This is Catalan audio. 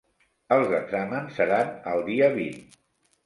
Els exàmens seran el dia vint.